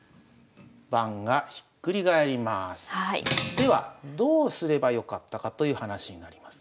ではどうすればよかったかという話になります。